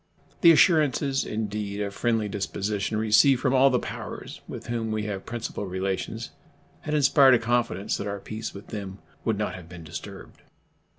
The assurances, indeed, of friendly disposition received from all the powers with whom we have principle relations had inspired a confidence that our peace with them would not have been disturbed.